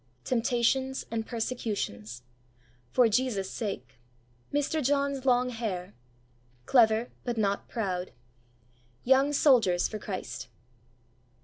Temptations and persecutions. "For Jesus' sake." Mr. John's long hair. Clever, but not proud. Young soldiers for Christ.